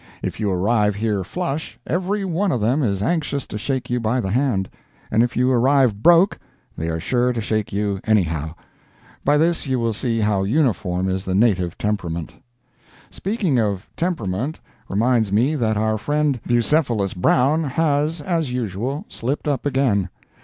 If you arrive here "flush," every one of them is anxious to shake you by the hand; and if you arrive "broke" they are sure to shake you, anyhow. By this you will see how uniform is the native temperament. Speaking of temperament reminds me that our friend Bucephalus Brown has, as usual, slipped up again.